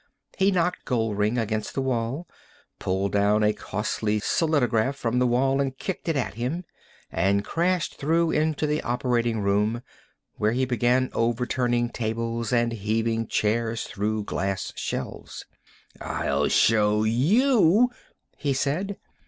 He knocked Goldring against the wall, pulled down a costly solidograph from the wall and kicked it at him, and crashed through into the operating room, where he began overturning tables and heaving chairs through glass shelves. "I'll show you," he said.